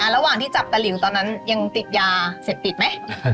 ระหว่างที่จับตาหลิวตอนนั้นยังติดยาเสพติดไหม